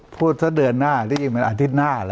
พูดเดือนหน้าที่จริงเป็นอาทิตย์หน้าละ